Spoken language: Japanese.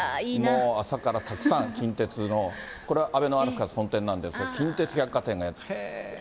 もう朝からたくさん、近鉄の、これ、あべのハルカス本店なんですが、近鉄百貨店が。